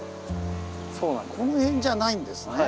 この辺じゃないんですね。